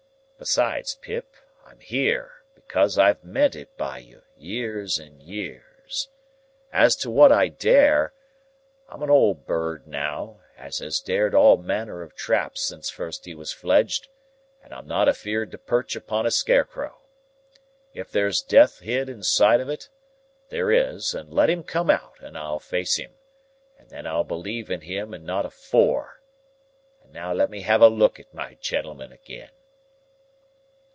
Besides, Pip, I'm here, because I've meant it by you, years and years. As to what I dare, I'm a old bird now, as has dared all manner of traps since first he was fledged, and I'm not afeerd to perch upon a scarecrow. If there's Death hid inside of it, there is, and let him come out, and I'll face him, and then I'll believe in him and not afore. And now let me have a look at my gentleman agen."